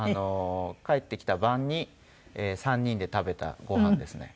帰ってきた晩に３人で食べたごはんですね。